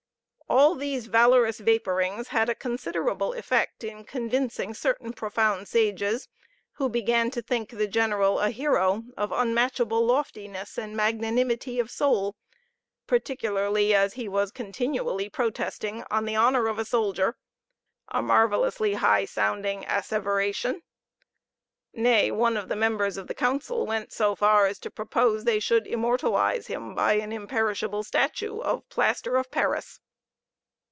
All these valorous vaporings had a considerable effect in convincing certain profound sages, who began to think the general a hero, of unmatchable loftiness and magnanimity of soul; particularly as he was continually protesting on the honor of a soldier a marvelously high sounding asseveration. Nay, one of the members of the council went so far as to propose they should immortalise him by an imperishable statue of plaster of Paris.